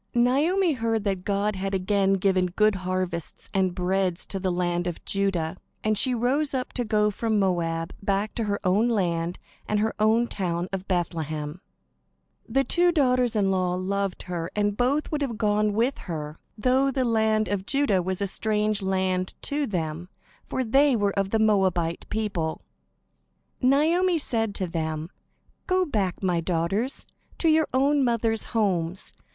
Naomi heard that God had again given good harvests and bread to the land of Judah, and she rose up to go from Moab back to her own land and her own town of Bethlehem. The two daughters in law loved her, and both would have gone with her, though the land of Judah was a strange land to them, for they were of the Moabite people. Naomi said to them: "Go back, my daughters, to your own mothers' homes.